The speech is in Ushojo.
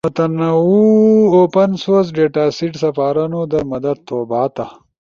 متنوع اوپن سورس ڈیٹاسیٹ سپارونو در مدد تھو بھاتا۔